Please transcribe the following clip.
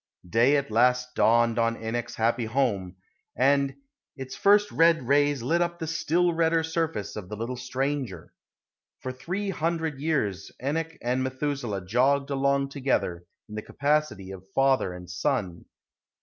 Day at last dawned on Enoch's happy home, and its first red rays lit up the still redder surface of the little stranger. For three hundred years Enoch and Methuselah jogged along together in the capacity of father and son.